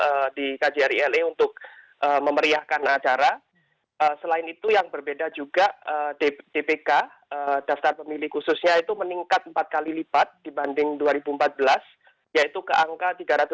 yang di kjri le untuk memeriahkan acara selain itu yang berbeda juga dpk daftar pemilih khususnya itu meningkat empat kali lipat dibanding dua ribu empat belas yaitu ke angka tiga ratus tujuh puluh